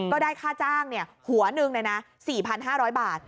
ก็ได้ค่าจ้างหัวหนึ่งเลยนะ๔๕๐๐บาท